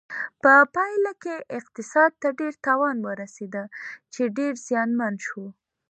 په پایله کې اقتصاد ته ډیر تاوان ورسېده چې ډېر زیانمن شو.